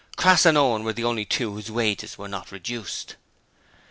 Crass and Owen were the only two whose wages were not reduced.